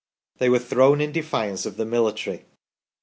They were thrown in defiance of the military."